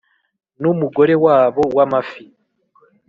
numugore wabo wamafi